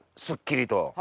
すっきりと。